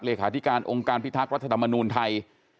เลขาธิการองค์การพิทักษ์รัฐธรรมนูลไทย